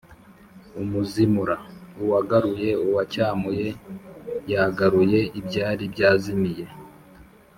Umuzimura: uwagaruye, uwacyamuye, yagaruye ibyari byazimiye.